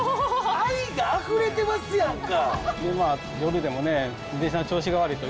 愛があふれてますやんか。